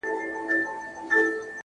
د دغه ټپ د رغېدلو کيسه ختمه نه ده-